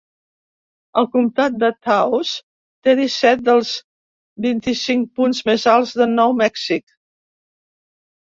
El Comtat de Taos té disset dels vint-i-cinc punts més alts de Nou Mèxic.